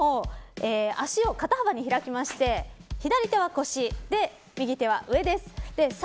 足を肩幅に開いて左手は腰、右手は上です。